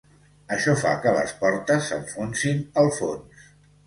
Això fa que les portes s'enfonsin al fons.